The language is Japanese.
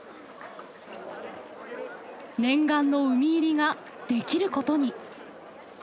念願の海入りができることに！